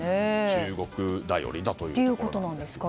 中国頼りだということですね。